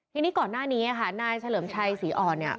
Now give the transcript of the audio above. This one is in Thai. ทีนี้ก่อนหน้านี้ค่ะนายเฉลิมชัยศรีอ่อนเนี่ย